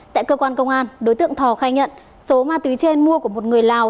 tại cơ quan công an đối tượng thò khai nhận số ma túy trên mua của một người lào